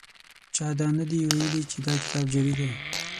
چا دا نه دي ویلي چې دا کتاب جعلي دی.